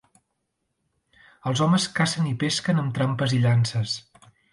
Els homes cacen i pesquen amb trampes i llances.